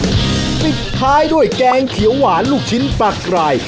ปิดท้ายด้วยแกงเขียวหวานลูกชิ้นปลากราย